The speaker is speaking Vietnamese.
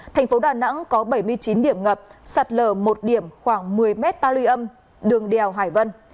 thành phố đà nẵng có bảy mươi chín điểm ngập sạt lở một điểm khoảng một mươi m ta lưu âm đường đèo hải vân